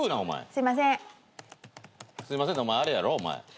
すいませんってお前あれやろ？